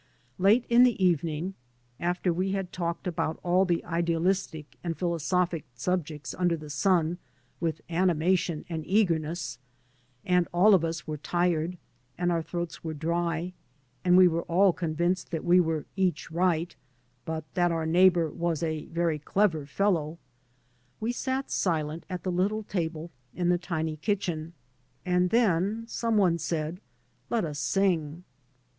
Late in the evening, after we had talked about all the idealistic and philosophic sub jects under the sun, with animation and eager ness, and all of us were tired, and our throats were dry, and we were all convinced that we were each right, but that our neighbour was a very clever fellow, we sat silent at the little table in the tiny kitchen; And then some one said, " Let us sing."